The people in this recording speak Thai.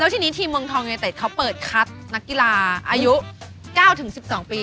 ทีนี้ทีมเมืองทองยูเนเต็ดเขาเปิดคัดนักกีฬาอายุ๙๑๒ปี